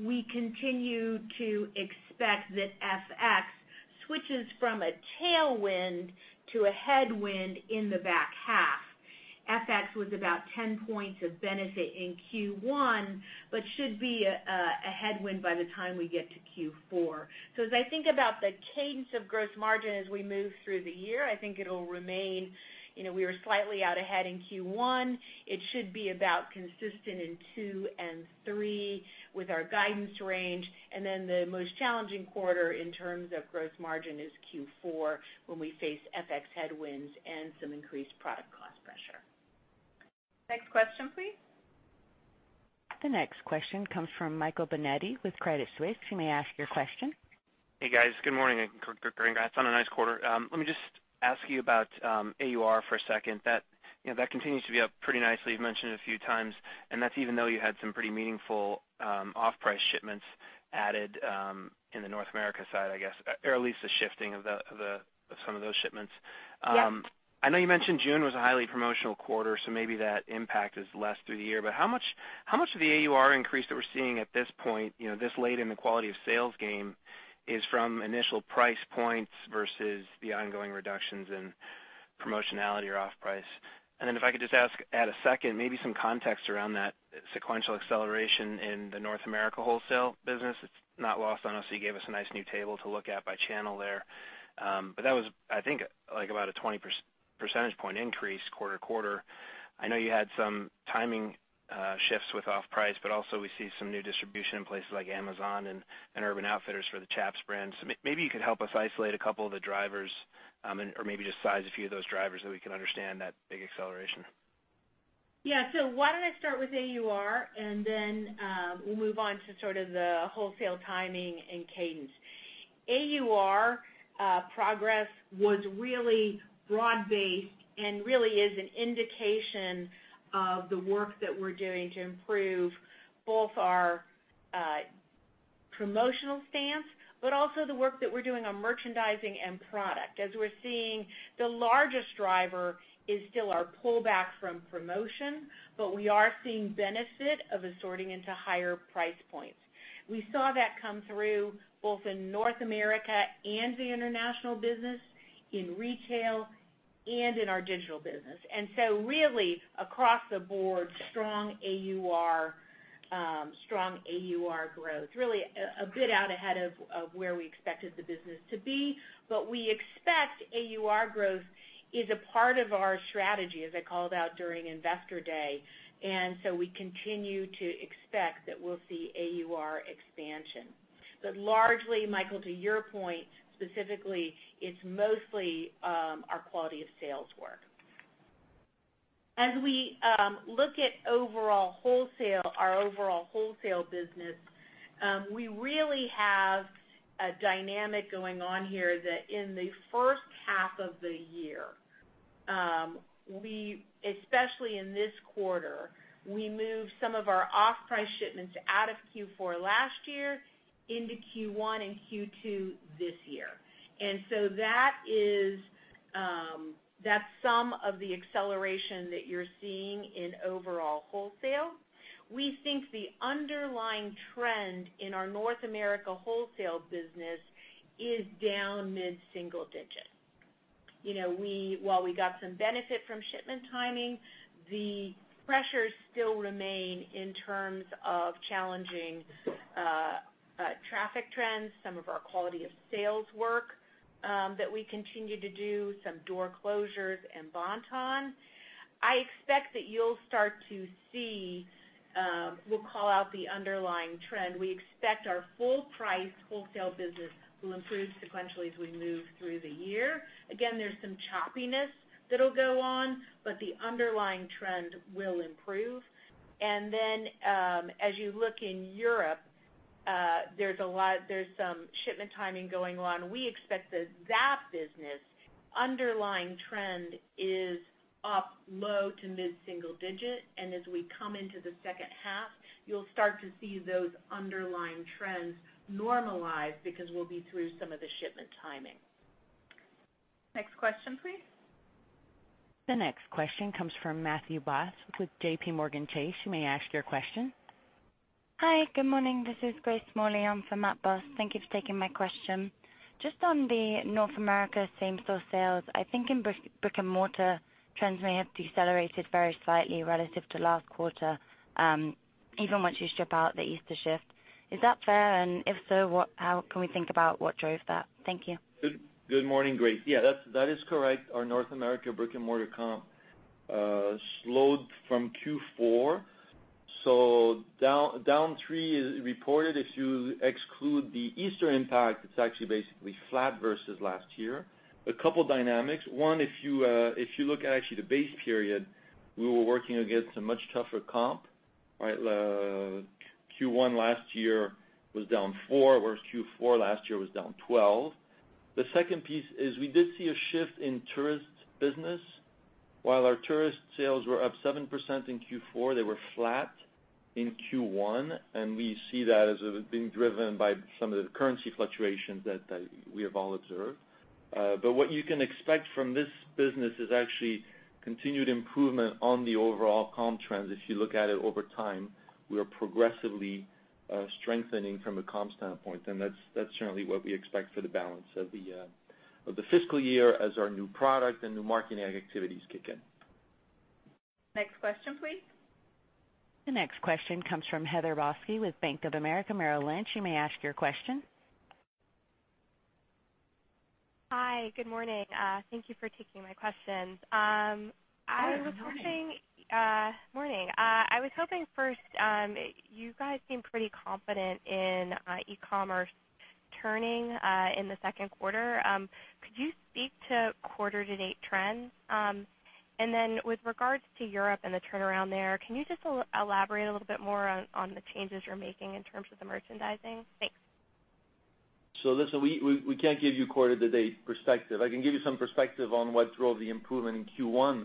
We continue to expect that FX switches from a tailwind to a headwind in the back half. FX was about 10 points of benefit in Q1, but should be a headwind by the time we get to Q4. As I think about the cadence of gross margin as we move through the year, I think it'll remain. We were slightly out ahead in Q1. It should be about consistent in two and three with our guidance range, and then the most challenging quarter in terms of gross margin is Q4, when we face FX headwinds and some increased product cost pressure. Next question, please. The next question comes from Michael Binetti with Credit Suisse. You may ask your question. Hey, guys. Good morning. Congrats on a nice quarter. Let me just ask you about AUR for a second. That continues to be up pretty nicely. You've mentioned it a few times, and that's even though you had some pretty meaningful off-price shipments added in the North America side, I guess, or at least the shifting of some of those shipments. Yes. I know you mentioned June was a highly promotional quarter, so maybe that impact is less through the year. How much of the AUR increase that we're seeing at this point, this late in the quality of sales game, is from initial price points versus the ongoing reductions in promotionality or off-price? If I could just ask, add a second, maybe some context around that sequential acceleration in the North America wholesale business. It's not lost on us, you gave us a nice new table to look at by channel there. That was, I think, about a 20 percentage point increase quarter-to-quarter. I know you had some timing shifts with off-price, but also we see some new distribution in places like Amazon and Urban Outfitters for the Chaps brand. Maybe you could help us isolate a couple of the drivers, or maybe just size a few of those drivers so we can understand that big acceleration. Yeah. Why don't I start with AUR, then we'll move on to sort of the wholesale timing and cadence. AUR progress was really broad-based and really is an indication of the work that we're doing to improve both our promotional stance, but also the work that we're doing on merchandising and product. As we're seeing, the largest driver is still our pullback from promotion, but we are seeing benefit of assorting into higher price points. We saw that come through both in North America and the international business, in retail, and in our digital business. Really, across the board, strong AUR growth. Really a bit out ahead of where we expected the business to be. We expect AUR growth is a part of our strategy, as I called out during Investor Day. We continue to expect that we'll see AUR expansion. Largely, Michael, to your point, specifically, it's mostly our quality of sales work. As we look at our overall wholesale business, we really have a dynamic going on here that in the first half of the year, especially in this quarter, we moved some of our off-price shipments out of Q4 last year into Q1 and Q2 this year. That's some of the acceleration that you're seeing in overall wholesale. We think the underlying trend in our North America wholesale business is down mid-single digit. While we got some benefit from shipment timing, the pressures still remain in terms of challenging traffic trends, some of our quality of sales work that we continue to do, some door closures in Bon-Ton. I expect that you'll start to see, we'll call out the underlying trend. We expect our full price wholesale business will improve sequentially as we move through the year. Again, there's some choppiness that'll go on, but the underlying trend will improve. Then, as you look in Europe, there's some shipment timing going on. We expect that that business underlying trend is up low to mid-single digit, as we come into the second half, you'll start to see those underlying trends normalize because we'll be through some of the shipment timing. Next question, please. The next question comes from Matthew Boss with JPMorgan Chase. You may ask your question. Hi, good morning. This is Grace Morley. I am from Matt Boss. Thank you for taking my question. Just on the North America same-store sales. I think in brick-and-mortar, trends may have decelerated very slightly relative to last quarter, even once you strip out the Easter shift. Is that fair? If so, how can we think about what drove that? Thank you. Good morning, Grace. Yeah, that is correct. Our North America brick-and-mortar comp slowed from Q4. Down 3% is reported. If you exclude the Easter impact, it is actually basically flat versus last year. A couple of dynamics. One, if you look at actually the base period, we were working against a much tougher comp. Q1 last year was down 4%, whereas Q4 last year was down 12%. The second piece is we did see a shift in tourist business. While our tourist sales were up 7% in Q4, they were flat in Q1, and we see that as being driven by some of the currency fluctuations that we have all observed. What you can expect from this business is actually continued improvement on the overall comp trends. If you look at it over time, we are progressively strengthening from a comp standpoint, and that is certainly what we expect for the balance of the fiscal year as our new product and new marketing activities kick in. Next question, please. The next question comes from Heather Balsky with Bank of America, Merrill Lynch. You may ask your question. Hi, good morning. Thank you for taking my questions. Hi, good morning. Morning. I was hoping first, you guys seem pretty confident in e-commerce turning in the second quarter. Could you speak to quarter-to-date trends? With regards to Europe and the turnaround there, can you just elaborate a little bit more on the changes you're making in terms of the merchandising? Thanks. Listen, we can't give you quarter-to-date perspective. I can give you some perspective on what drove the improvement in Q1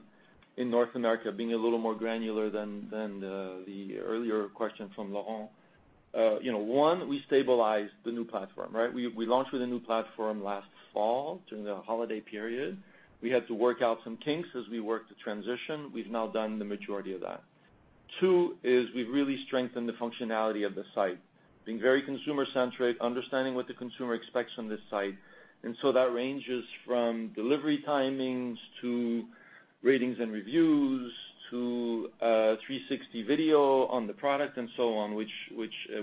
in North America, being a little more granular than the earlier question from Laurent. One, we stabilized the new platform. We launched with a new platform last fall during the holiday period. We had to work out some kinks as we worked to transition. We've now done the majority of that. Two is we've really strengthened the functionality of the site, being very consumer-centric, understanding what the consumer expects from this site. That ranges from delivery timings to ratings and reviews to 360 video on the product and so on, which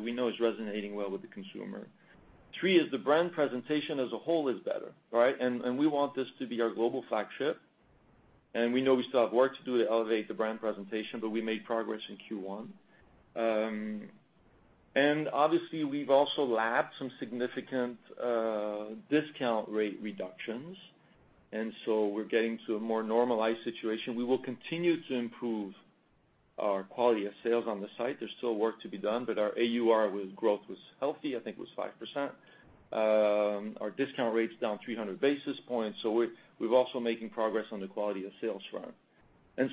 we know is resonating well with the consumer. Three is the brand presentation as a whole is better. We want this to be our global flagship. We know we still have work to do to elevate the brand presentation, but we made progress in Q1. We've also lapped some significant discount rate reductions, we're getting to a more normalized situation. We will continue to improve our quality of sales on the site. There's still work to be done, but our AUR growth was healthy. I think it was 5%. Our discount rate's down 300 basis points, we're also making progress on the quality of sales front.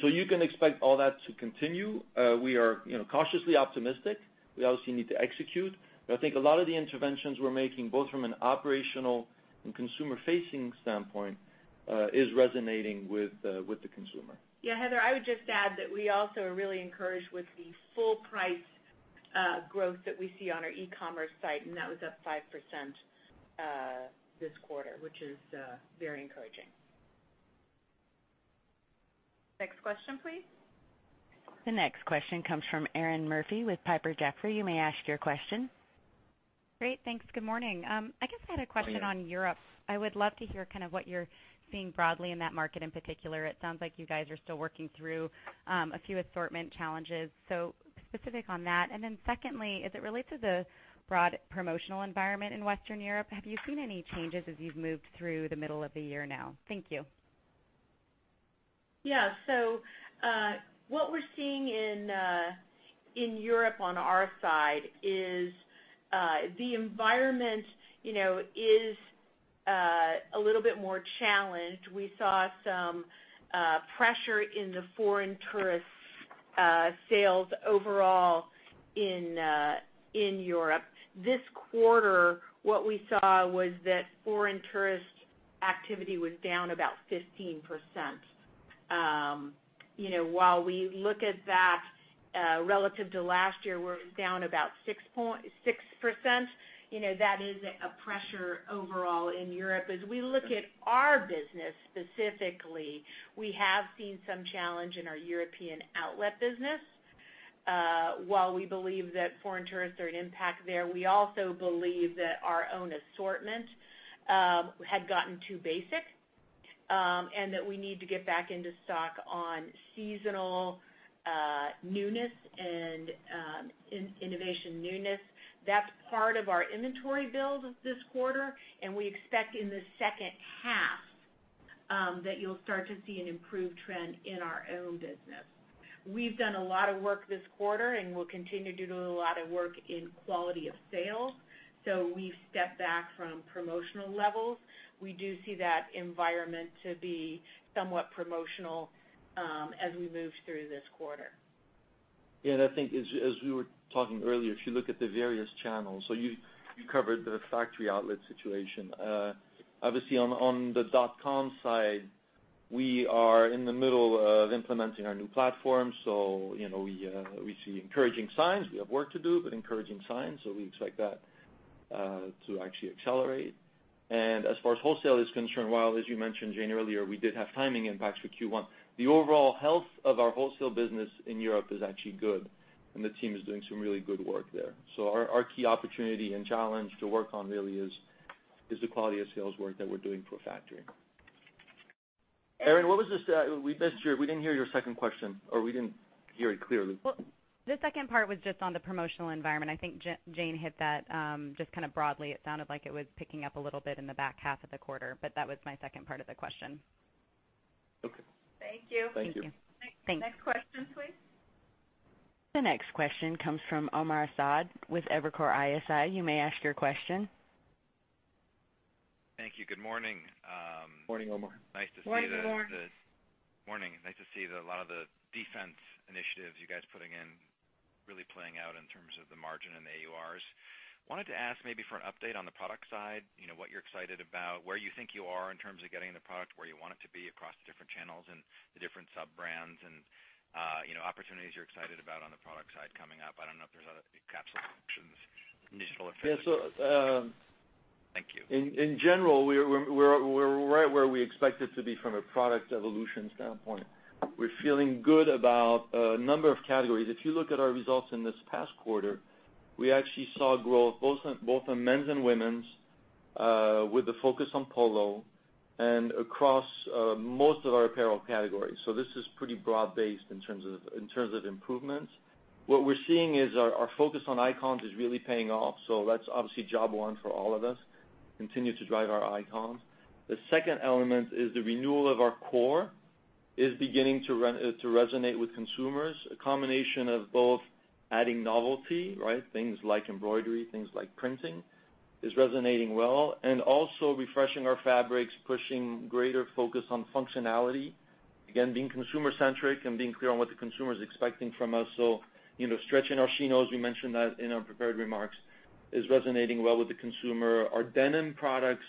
You can expect all that to continue. We are cautiously optimistic. We obviously need to execute. I think a lot of the interventions we're making, both from an operational and consumer-facing standpoint, is resonating with the consumer. Yeah, Heather, I would just add that we also are really encouraged with the full price growth that we see on our e-commerce site, that was up 5% this quarter, which is very encouraging. Next question, please. The next question comes from Erinn Murphy with Piper Jaffray. You may ask your question. Great, thanks. Good morning. I guess I had a question on Europe. I would love to hear what you're seeing broadly in that market in particular. It sounds like you guys are still working through a few assortment challenges. Specific on that. Secondly, as it relates to the broad promotional environment in Western Europe, have you seen any changes as you've moved through the middle of the year now? Thank you. Yeah. What we're seeing in Europe on our side is the environment is a little bit more challenged. We saw some pressure in the foreign tourist sales overall in Europe. This quarter, what we saw was that foreign tourist activity was down about 15%. While we look at that relative to last year, where it was down about 6%, that is a pressure overall in Europe. As we look at our business specifically, we have seen some challenge in our European outlet business. While we believe that foreign tourists are an impact there, we also believe that our own assortment had gotten too basic and that we need to get back into stock on seasonal newness and innovation newness. That's part of our inventory build this quarter, and we expect in the second half that you'll start to see an improved trend in our own business. We've done a lot of work this quarter, we'll continue to do a lot of work in quality of sales. We've stepped back from promotional levels. We do see that environment to be somewhat promotional as we move through this quarter. I think as we were talking earlier, if you look at the various channels, you covered the factory outlet situation. Obviously on the .com side, we are in the middle of implementing our new platform, we see encouraging signs. We have work to do, but encouraging signs, we expect that to actually accelerate. As far as wholesale is concerned, while, as you mentioned, Jane, earlier, we did have timing impacts for Q1. The overall health of our wholesale business in Europe is actually good, the team is doing some really good work there. Our key opportunity and challenge to work on really is the quality of sales work that we're doing for factory. Erinn, we missed you. We didn't hear your second question, or we didn't hear it clearly. Well, the second part was just on the promotional environment. I think Jane hit that just broadly. It sounded like it was picking up a little bit in the back half of the quarter, that was my second part of the question. Okay. Thank you. Thank you. Thank you. Next question, please. The next question comes from Omar Saad with Evercore ISI. You may ask your question. Thank you. Good morning. Morning, Omar. Morning, Omar. Morning. Nice to see that a lot of the defense initiatives you guys putting in, really playing out in terms of the margin and the AURs. I wanted to ask maybe for an update on the product side, what you're excited about, where you think you are in terms of getting the product where you want it to be across the different channels and the different sub-brands, and opportunities you're excited about on the product side coming up. I don't know if there's other capsule collections Yeah. Thank you. In general, we're right where we expect it to be from a product evolution standpoint. We're feeling good about a number of categories. If you look at our results in this past quarter, we actually saw growth both in men's and women's, with a focus on Polo and across most of our apparel categories. This is pretty broad-based in terms of improvements. What we're seeing is our focus on icons is really paying off. That's obviously job one for all of us, continue to drive our icons. The second element is the renewal of our core is beginning to resonate with consumers. A combination of both adding novelty, things like embroidery, things like printing, is resonating well, and also refreshing our fabrics, pushing greater focus on functionality. Again, being consumer centric and being clear on what the consumer is expecting from us. Stretching our Chinos, we mentioned that in our prepared remarks, is resonating well with the consumer. Our denim products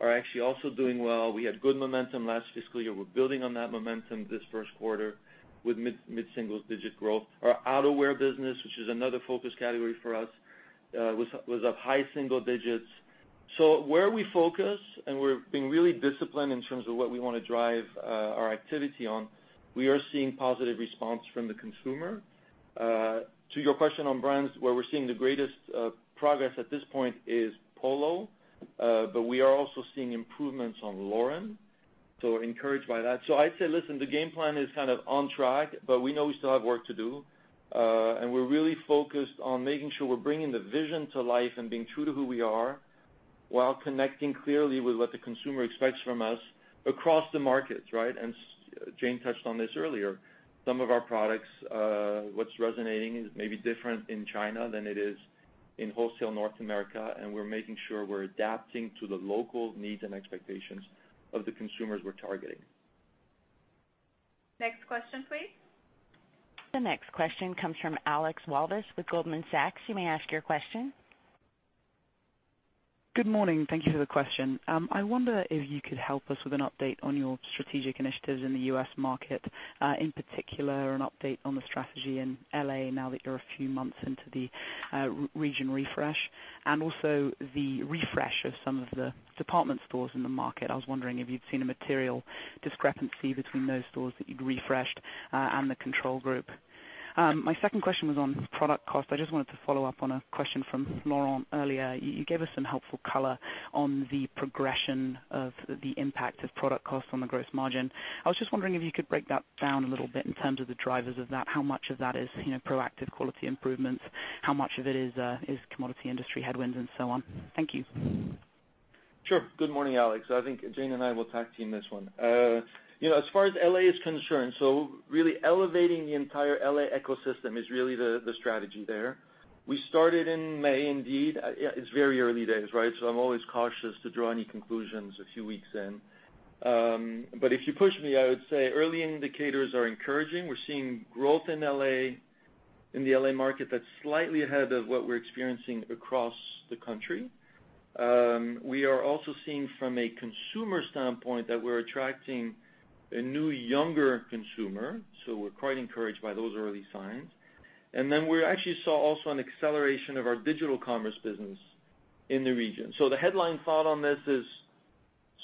are actually also doing well. We had good momentum last fiscal year. We're building on that momentum this first quarter with mid-single digit growth. Our outerwear business, which is another focus category for us, was up high single digits. Where we focus, and we're being really disciplined in terms of what we want to drive our activity on, we are seeing positive response from the consumer. To your question on brands, where we're seeing the greatest progress at this point is Polo, but we are also seeing improvements on Lauren, so encouraged by that. I'd say, listen, the game plan is on track, but we know we still have work to do. We're really focused on making sure we're bringing the vision to life and being true to who we are while connecting clearly with what the consumer expects from us across the markets, right? Jane touched on this earlier. Some of our products, what's resonating is maybe different in China than it is in wholesale North America, and we're making sure we're adapting to the local needs and expectations of the consumers we're targeting. Next question, please. The next question comes from Alexandra Walvis with Goldman Sachs. You may ask your question. Good morning. Thank you for the question. I wonder if you could help us with an update on your strategic initiatives in the U.S. market. In particular, an update on the strategy in L.A. now that you're a few months into the region refresh, and also the refresh of some of the department stores in the market. I was wondering if you'd seen a material discrepancy between those stores that you'd refreshed, and the control group. My second question was on product cost. I just wanted to follow up on a question from Laurent earlier. You gave us some helpful color on the progression of the impact of product cost on the gross margin. I was just wondering if you could break that down a little bit in terms of the drivers of that. How much of that is proactive quality improvements? How much of it is commodity industry headwinds and so on? Thank you. Sure. Good morning, Alex. I think Jane and I will tag team this one. As far as L.A. is concerned, really elevating the entire L.A. ecosystem is really the strategy there. We started in May indeed. It's very early days, right? I'm always cautious to draw any conclusions a few weeks in. If you push me, I would say early indicators are encouraging. We're seeing growth in the L.A. market that's slightly ahead of what we're experiencing across the country. We are also seeing from a consumer standpoint that we're attracting a new younger consumer, we're quite encouraged by those early signs. We actually saw also an acceleration of our digital commerce business in the region. The headline thought on this is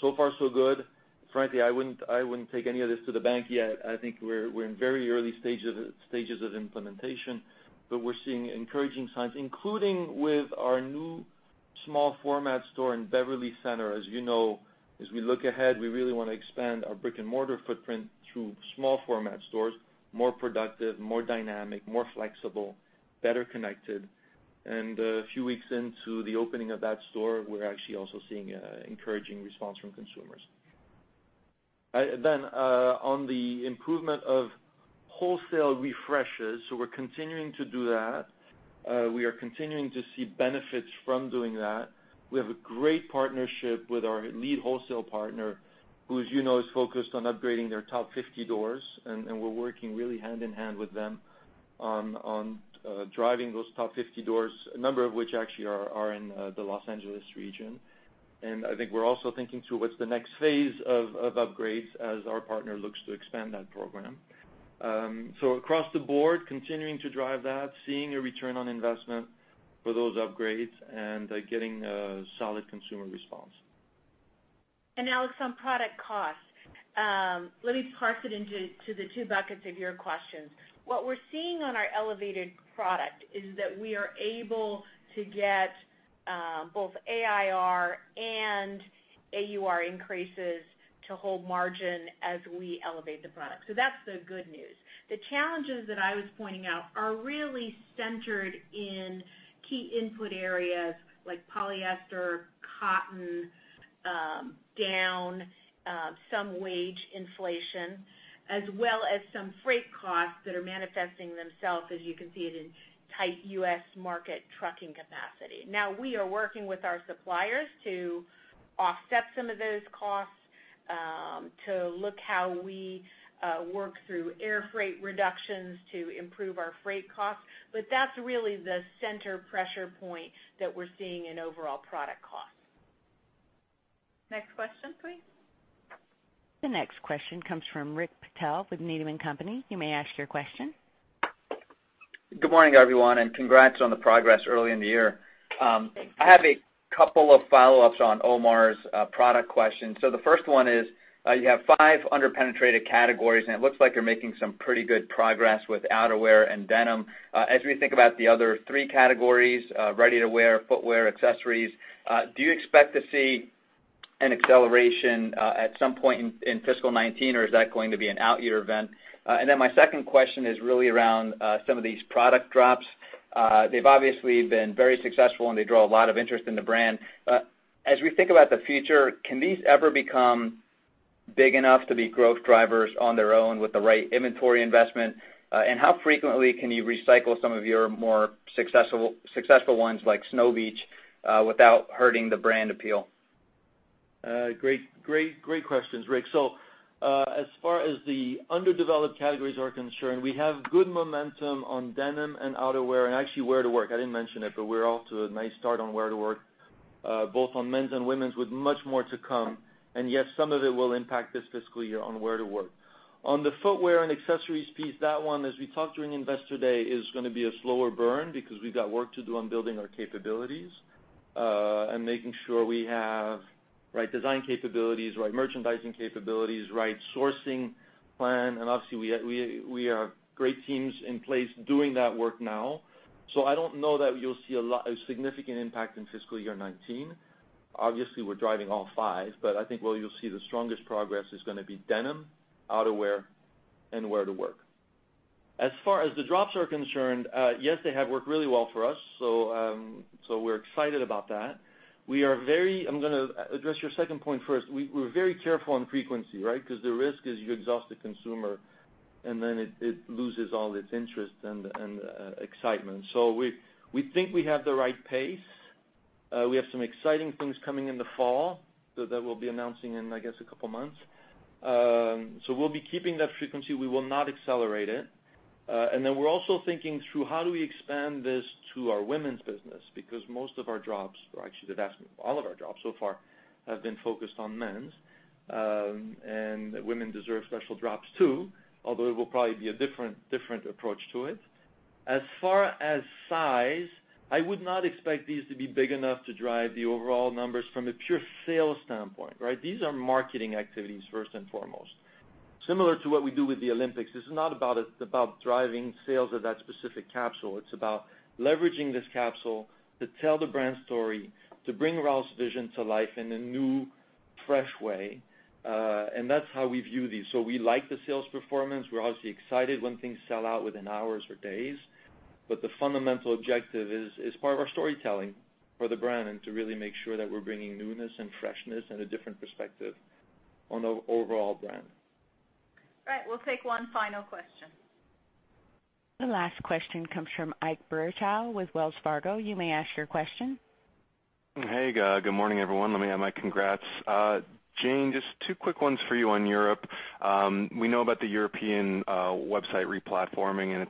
so far so good. Frankly, I wouldn't take any of this to the bank yet. I think we're in very early stages of implementation, we're seeing encouraging signs, including with our new small format store in Beverly Center. As you know, as we look ahead, we really want to expand our brick and mortar footprint through small format stores, more productive, more dynamic, more flexible, better connected. A few weeks into the opening of that store, we're actually also seeing encouraging response from consumers. On the improvement of wholesale refreshes, we're continuing to do that. We are continuing to see benefits from doing that. We have a great partnership with our lead wholesale partner, who, as you know, is focused on upgrading their top 50 doors, and we're working really hand-in-hand with them on driving those top 50 doors, a number of which actually are in the Los Angeles region. I think we're also thinking through what's the next phase of upgrades as our partner looks to expand that program. Across the board, continuing to drive that, seeing a return on investment for those upgrades, and getting a solid consumer response. Alex, on product cost. Let me parse it into the two buckets of your questions. What we're seeing on our elevated product is that we are able to get both AIR and AUR increases to hold margin as we elevate the product. That's the good news. The challenges that I was pointing out are really centered in key input areas like polyester, cotton, down, some wage inflation, as well as some freight costs that are manifesting themselves, as you can see it, in tight U.S. market trucking capacity. We are working with our suppliers to offset some of those costs, to look how we work through air freight reductions to improve our freight costs. That's really the center pressure point that we're seeing in overall product costs. Next question, please. The next question comes from Rick Patel with Needham & Company. You may ask your question. Good morning, everyone, and congrats on the progress early in the year. I have a couple of follow-ups on Omar's product question. The first one is, you have five under-penetrated categories, and it looks like you're making some pretty good progress with outerwear and denim. As we think about the other three categories, ready-to-wear, footwear, accessories, do you expect to see an acceleration at some point in FY 2019 or is that going to be an out-year event? My second question is really around some of these product drops. They've obviously been very successful, and they draw a lot of interest in the brand. As we think about the future, can these ever become big enough to be growth drivers on their own with the right inventory investment? How frequently can you recycle some of your more successful ones like Snow Beach without hurting the brand appeal? Great questions, Rick. As far as the underdeveloped categories are concerned, we have good momentum on denim and outerwear and actually wear-to-work. I didn't mention it, but we're off to a nice start on wear-to-work, both on men's and women's, with much more to come. Yes, some of it will impact this fiscal year on wear to work. On the footwear and accessories piece, that one, as we talked during Investor Day, is gonna be a slower burn because we've got work to do on building our capabilities, and making sure we have right design capabilities, right merchandising capabilities, right sourcing plan, and obviously we have great teams in place doing that work now. I don't know that you'll see a significant impact in fiscal year 2019. Obviously, we're driving all five, but I think where you'll see the strongest progress is gonna be denim, outerwear, and wear to work. As far as the drops are concerned, yes, they have worked really well for us. We're excited about that. I'm gonna address your second point first. We're very careful on frequency, right? The risk is you exhaust the consumer, and then it loses all its interest and excitement. We think we have the right pace. We have some exciting things coming in the fall that we'll be announcing in, I guess, a couple of months. We'll be keeping that frequency. We will not accelerate it. We're also thinking through how do we expand this to our women's business? Most of our drops, or actually all of our drops so far, have been focused on men's, and women deserve special drops too. Although it will probably be a different approach to it. As far as size, I would not expect these to be big enough to drive the overall numbers from a pure sales standpoint, right? These are marketing activities first and foremost. Similar to what we do with the Olympics, this is not about driving sales of that specific capsule. It's about leveraging this capsule to tell the brand story, to bring Ralph's vision to life in a new, fresh way. That's how we view these. We like the sales performance. We're obviously excited when things sell out within hours or days. The fundamental objective is part of our storytelling for the brand and to really make sure that we're bringing newness and freshness and a different perspective on the overall brand. All right, we'll take one final question. The last question comes from Ike Boruchow with Wells Fargo. You may ask your question. Hey. Good morning, everyone. Let me add my congrats. Jane, just two quick ones for you on Europe.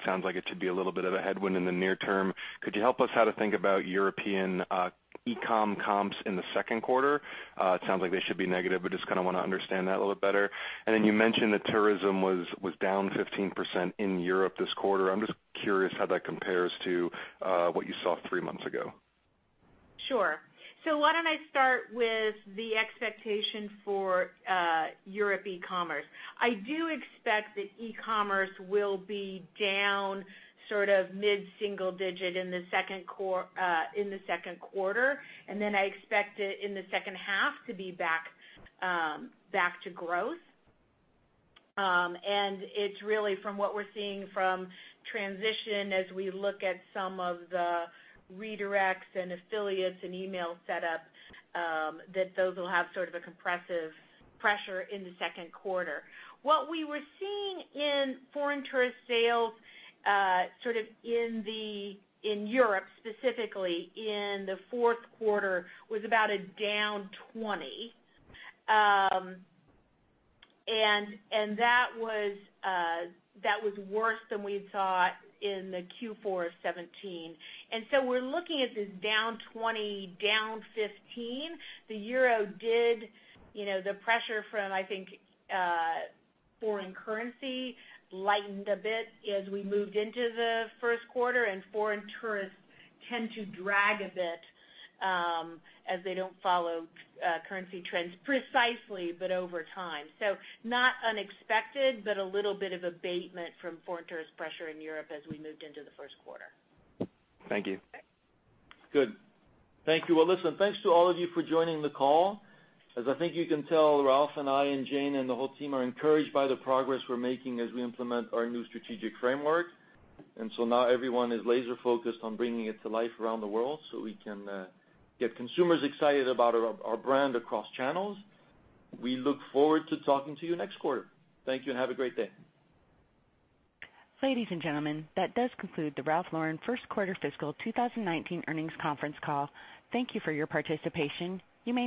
It sounds like it should be a little bit of a headwind in the near term. Could you help us how to think about European e-com comps in the second quarter? It sounds like they should be negative, but just want to understand that a little better. Then you mentioned that tourism was down 15% in Europe this quarter. I'm just curious how that compares to what you saw three months ago. Sure. Why don't I start with the expectation for Europe e-commerce. I do expect that e-commerce will be down sort of mid-single digit in the second quarter. Then I expect it in the second half to be back to growth. It's really from what we're seeing from transition as we look at some of the redirects and affiliates and email set up, that those will have sort of a compressive pressure in the second quarter. What we were seeing in foreign tourist sales in Europe, specifically in the fourth quarter, was about a down 20. That was worse than we had thought in the Q4 of 2017. We're looking at this down 20, down 15. The pressure from, I think, foreign currency lightened a bit as we moved into the first quarter, foreign tourists tend to drag a bit, as they don't follow currency trends precisely, but over time. Not unexpected, but a little bit of abatement from foreign tourist pressure in Europe as we moved into the first quarter. Thank you. Good. Thank you. Well, listen, thanks to all of you for joining the call. As I think you can tell, Ralph and I and Jane and the whole team are encouraged by the progress we're making as we implement our new strategic framework. Now everyone is laser-focused on bringing it to life around the world so we can get consumers excited about our brand across channels. We look forward to talking to you next quarter. Thank you and have a great day. Ladies and gentlemen, that does conclude the Ralph Lauren first quarter fiscal 2019 earnings conference call. Thank you for your participation. You may now disconnect.